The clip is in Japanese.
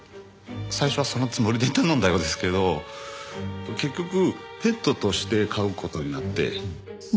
最初はそのつもりで頼んだようですけど結局ペットとして飼う事になって。